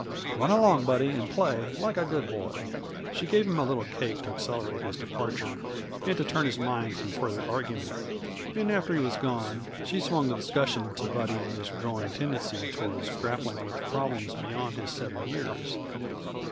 Run along, Buddy, and play like a good boy." She gave him a little cake to accelerate his departure and to turn his mind from further argument, and after he was gone she swung the discussion to Buddy and his growing tendency toward grappling with problems beyond his seven years.